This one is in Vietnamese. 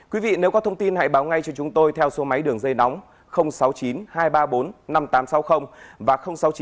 quý vị nếu có thông tin hãy báo ngay cho chúng tôi theo số máy đường dây nóng sáu mươi chín hai trăm ba mươi bốn năm nghìn tám trăm sáu mươi và sáu mươi chín